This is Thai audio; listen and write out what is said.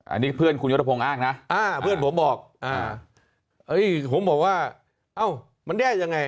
อันนี้เพื่อนคุณยุทธพงศ์อ้างนะเพื่อนผมบอกผมบอกว่าเอ้ามันแย่ยังไง